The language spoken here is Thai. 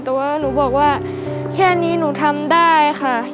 แต่ว่าหนูบอกว่าแค่นี้หนูทำได้ค่ะ